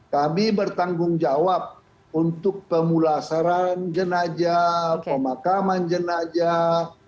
kami bertanggung jawab untuk pemulasaran jenajah pemakaman jenajah